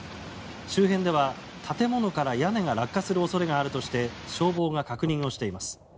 周辺では建物から屋根が落下する恐れがあるとして消防が確認をしています。